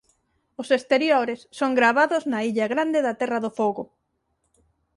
Os exteriores son gravados na Illa Grande da Terra do Fogo.